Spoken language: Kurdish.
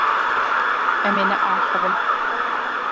Ew ê neaxivin.